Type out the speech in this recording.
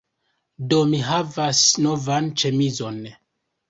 Do, mi havas novan ĉemizon